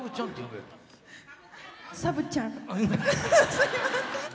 すみません。